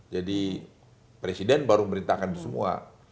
jadi presiden baru merintahkan semua